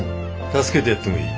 助けてやってもいい。